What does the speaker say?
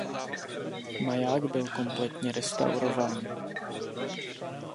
Maják byl kompletně restaurován.